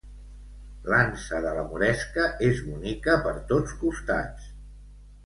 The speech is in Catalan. L'ansa de la Moresca és bonica per tots costats